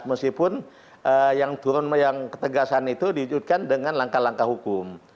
meskipun yang turun yang ketegasan itu dijutkan dengan langkah langkah hukum